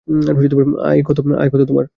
আয় কতো তোমার?